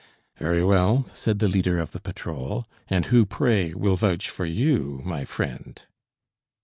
"Very well," said the leader of the patrol; "and who, pray, will vouch for you, my friend?"